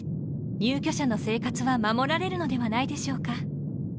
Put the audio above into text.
入居者の生活は守られるのではないでしょうか。